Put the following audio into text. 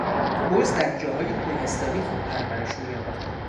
بز در جاهای کوهستانی خوب پرورش مییابد.